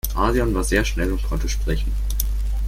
Arion war sehr schnell und konnte sprechen.